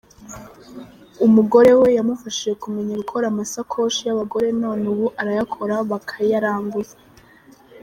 Umugore we yamufashije kumenya gukora amasakoshi y’abagore none ubu arayakora bakayaranguza.